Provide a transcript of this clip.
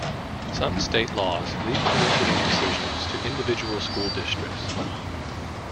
Some state laws leave curriculum decisions to individual school districts.